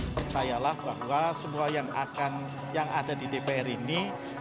percayalah bahwa semua yang akan yang ada di dpr ini